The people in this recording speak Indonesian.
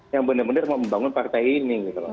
yang benar benar membangun partai ini